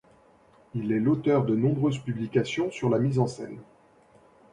Il est l'auteur de nombreuses publications sur la mise en scène.